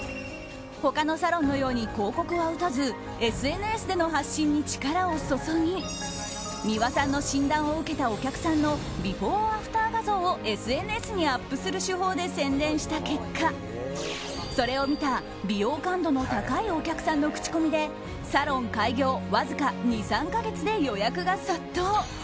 他のサロンのように広告は打たずＳＮＳでの発信に力を注ぎ三輪さんの診断を受けたお客さんのビフォーアフター画像をＳＮＳにアップする手法で宣伝した結果それを見た美容感度の高いお客さんの口コミでサロン開業わずか２３か月で予約が殺到。